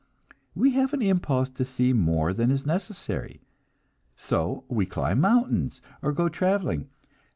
We have an impulse to see more than is necessary, so we climb mountains, or go traveling.